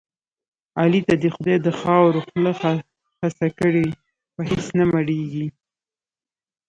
علي ته دې خدای د خاورو خوله خاصه کړي په هېڅ نه مړېږي.